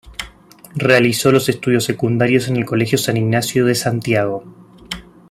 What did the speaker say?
Realizó los estudios secundarios en el Colegio San Ignacio de Santiago.